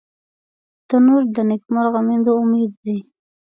تنور د نیکمرغه میندو امید دی